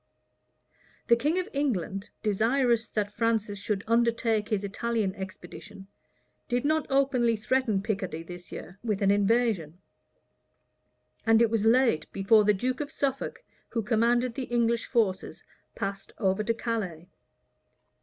The king of England, desirous that Francis should undertake his Italian expedition, did not openly threaten Picardy this year with an invasion; and it was late before the duke of Suffolk, who commanded the English forces, passed over to Calais.